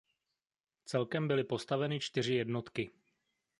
Celkem byly postaveny čtyři jednotky.